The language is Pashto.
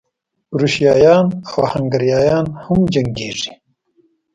کروشیایان او هنګریایان هم جنګېږي.